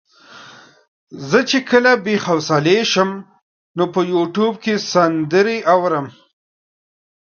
زه چې کله بې حوصلې شم نو په يوټيوب کې سندرې اورم.